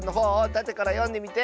たてからよんでみて！